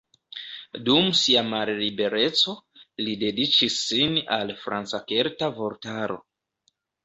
Dum sia mallibereco, li dediĉis sin al franca-kelta vortaro.